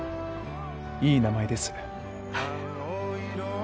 いい名前です。